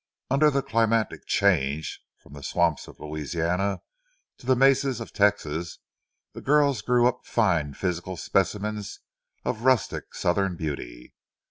Under the climatic change, from the swamps of Louisiana to the mesas of Texas, the girls grew up fine physical specimens of rustic Southern beauty.